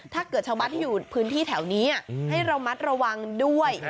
ชาวบ้านที่อยู่พื้นที่แถวนี้ให้ระมัดระวังด้วย